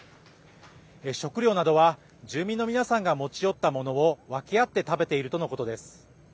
食料などは住民の皆さんが持ち寄ったものを分け合って食べているとのことです。